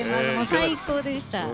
最高でした。